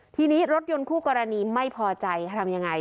ทีนี้รถยนต์คู่กรณีไม่พอใจทำยังไง